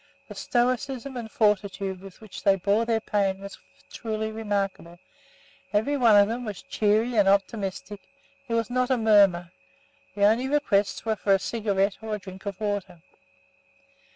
The stoicism and fortitude with which they bore their pain was truly remarkable. Every one of them was cheery and optimistic; there was not a murmur; the only requests were for a cigarette or a drink of water.